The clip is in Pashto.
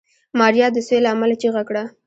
ماريا د سوي له امله چيغه کړه.